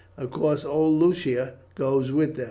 Of course old Lucia goes with them.